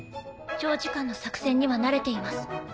長時間の作戦には慣れています。